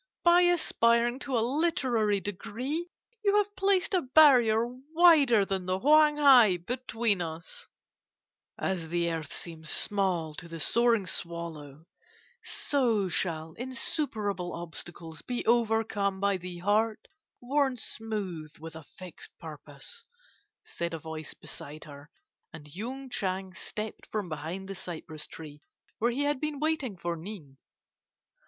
By aspiring to a literary degree, you have placed a barrier wider than the Whang Hai between us.' "'As the earth seems small to the soaring swallow, so shall insuperable obstacles be overcome by the heart worn smooth with a fixed purpose,' said a voice beside her, and Yung Chang stepped from behind the cypress tree, where he had been waiting for Ning.